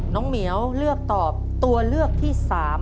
เหมียวเลือกตอบตัวเลือกที่๓